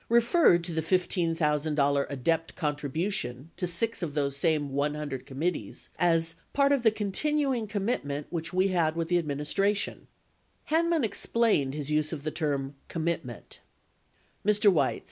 referred to the $15,000 ADEPT contribution to 6 of those same 100 committees as "part of the continuing commitment which we had with the Administration." 32 Hanman explained his use of the term "commitment" : Mr. Weitz.